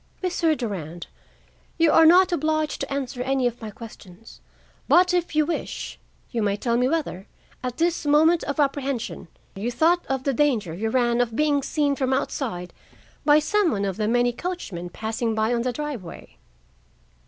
"Mr. Durand, you are not obliged to answer any of my questions; but, if you wish, you may tell me whether, at this moment of apprehension, you thought of the danger you ran of being seen from outside by some one of the many coachmen passing by on the driveway?"